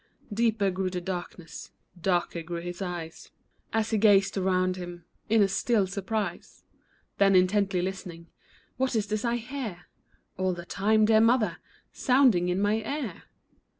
Deeper grew the darkness ; Darker grew his eyes 2IO A CHILD'S THOUGHT As he gazed around him. In a still surprise. Then intently listening, " What is this I hear All the time, dear mother, Sounding in my ear